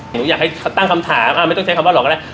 หนูอยากให้เขาตั้งคำถามไม่ต้องใช้คำว่าหลอกก็ได้